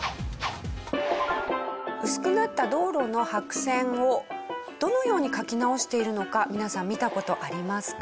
薄くなった道路の白線をどのように書き直しているのか皆さん見た事ありますか？